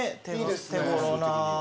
手頃な。